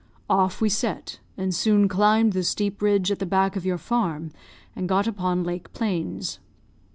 Off we set, and soon climbed the steep ridge at the back of your farm, and got upon lake plains.